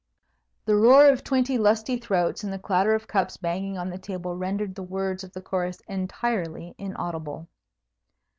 The roar of twenty lusty throats and the clatter of cups banging on the table rendered the words of the chorus entirely inaudible.